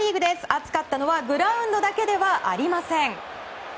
熱かったのはグラウンドだけではありません。